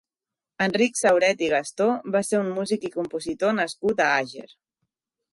Enric Sauret i Gastó va ser un músic i compositor nascut a Àger.